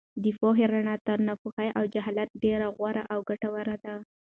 د پوهې رڼا تر ناپوهۍ او جهالت ډېره غوره او ګټوره ده.